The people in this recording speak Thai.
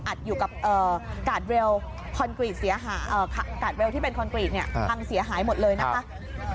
อัดอยู่กับการ์ดเวลล์ที่เป็นคอนกรีตพังเสียหายหมดเลยนะคะ